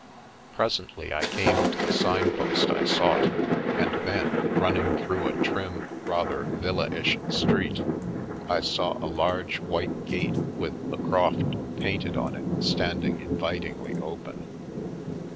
Presently I came to the sign post I sought, and then, running through a trim, rather villa ish street, I saw a large white gate with " The Croft " painted on it standing invitingly open.